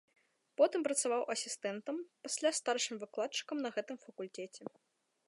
Потым працаваў асістэнтам, пасля старшым выкладчыкам на гэтым факультэце.